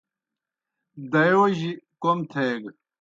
دایئوجیْ کوْم تھیگہ۔